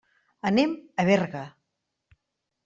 Anem a Berga.